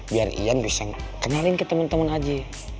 biar yan bisa kenalin ke temen temen aja